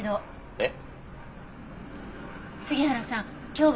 えっ？